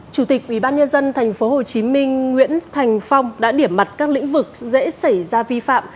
chủ tịch ubnd tp hcm nguyễn thành phong đã điểm mặt các lĩnh vực dễ xảy ra vi phạm